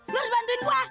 lo harus bantuin gue